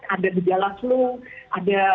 ada gejala flu ada